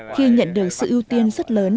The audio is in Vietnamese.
khi nhận được sự ưu tiên rất lớn